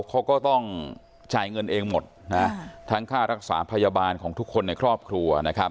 เขาก็ต้องจ่ายเงินเองหมดทั้งค่ารักษาพยาบาลของทุกคนในครอบครัวนะครับ